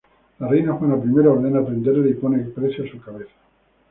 La reina Juana I ordena prenderle y pone precio a su cabeza.